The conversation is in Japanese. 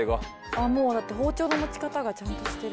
「あっもうだって包丁の持ち方がちゃんとしてる」